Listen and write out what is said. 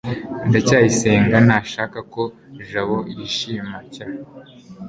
ndacyayisenga ntashaka ko jabo yishima cy